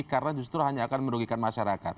karena justru hanya akan merugikan masyarakat